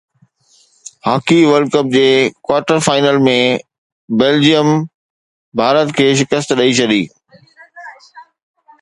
hockey World Cup جي quarter final ۾ Belgium Bharat کي شڪست ڏئي ڇڏي